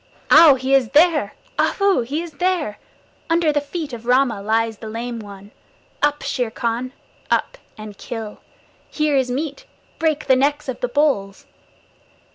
Ow! He is there. Ahoo! He is there. Under the feet of Rama lies the Lame One! Up, Shere Khan! Up and kill! Here is meat; break the necks of the bulls!